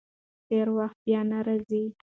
تېر وخت بیا نه راځي.